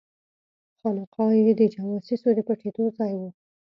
خانقاه یې د جواسیسو د پټېدلو ځای وو.